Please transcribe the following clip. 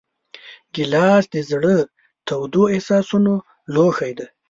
ګیلاس د زړه تودو احساسونو لوښی دی.